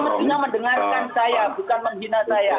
anda harus mendengarkan saya bukan menghina saya